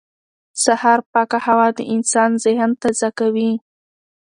سهار پاکه هوا د انسان ذهن تازه کوي